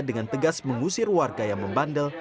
dengan tegas mengusir warga yang membandel